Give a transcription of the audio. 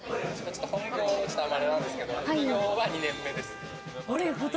本業はあれなんですけれども、副業は２年目です。